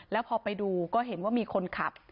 แล้วพอไปดูก็เห็นว่ามีคนขับ